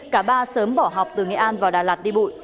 cả ba sớm bỏ học từ nghệ an vào đà lạt đi bụi